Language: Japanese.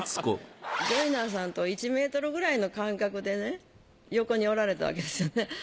ジョイナーさんと１ｍくらいの間隔で横におられたわけですよね。